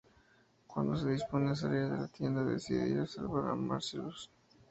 Cuando se dispone a salir de la tienda, decide ir a salvar a Marcellus.